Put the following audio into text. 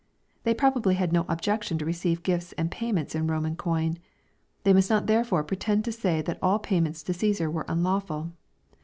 They probably had no objection to receive gifts and payments in Eoman coin. They must not therefore pretend to say that all pay ments to Caesar were unlawful.